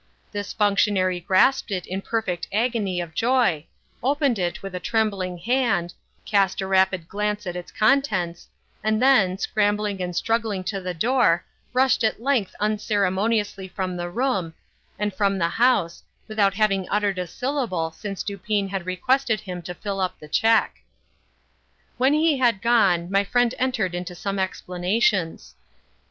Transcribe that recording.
This functionary grasped it in a perfect agony of joy, opened it with a trembling hand, cast a rapid glance at its contents, and then, scrambling and struggling to the door, rushed at length unceremoniously from the room and from the house, without having uttered a syllable since Dupin had requested him to fill up the check. When he had gone, my friend entered into some explanations.